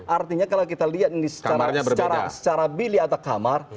artinya kalau kita lihat ini secara billy atau kamar